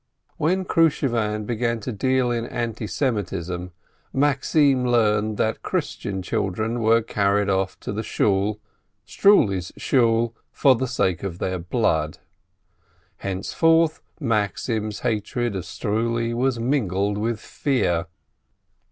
When Krushevan began to deal in anti Semitism, Maxim learned that 'Christian children were carried off into the Shool, Struli's Shool, for the sake of their blood. Thenceforth Maxim's hatred of Struli was mingled with fear.